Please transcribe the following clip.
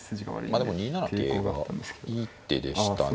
まあでも２七桂がいい手でしたね。